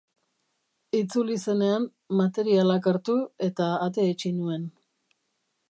Itzuli zenean, materialak hartu, eta atea itxi nuen.